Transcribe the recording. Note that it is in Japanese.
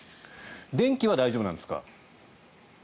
電気は大丈夫なんですか？